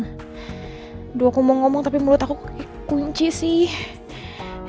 aduh aku mau ngomong tapi menurut aku kunci sih